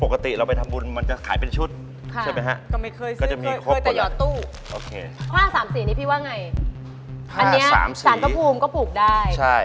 สันตภูมิก็ปลูกได้